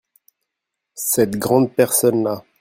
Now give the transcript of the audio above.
Cette grande personne-là.